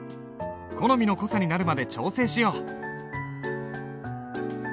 好みの濃さになるまで調整しよう。